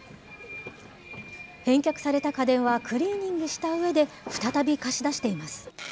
返却された家電はクリーニングしたうえで、再び貸し出しています。